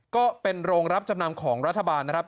ก็เป็นโรงรับจำนำของรัฐบาลนะครับ